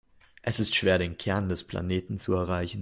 Es ist schwer, den Kern des Planeten zu erreichen.